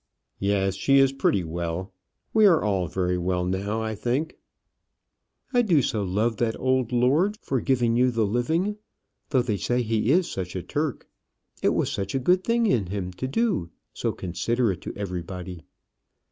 "Yes, she is pretty well. We are all very well now, I think." "I do so love that old lord for giving you the living, though they say he is such a Turk. It was such a good thing in him to do; so considerate to everybody."